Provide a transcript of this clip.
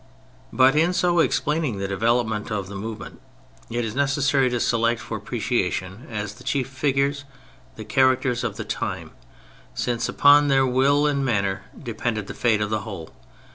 But in so explaining the development of the move ment it is necessary to select for apprecia tion as the chief figures the characters of the time, since upon their will and manner de pended the fate of the whole.